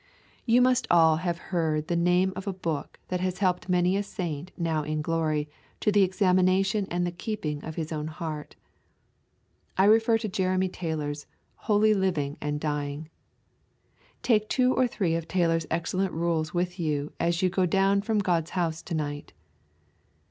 You must all have heard the name of a book that has helped many a saint now in glory to the examination and the keeping of his own heart. I refer to Jeremy Taylor's Holy Living and Dying. Take two or three of Taylor's excellent rules with you as you go down from God's house to night.